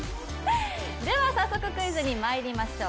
早速クイズにまいりましょう。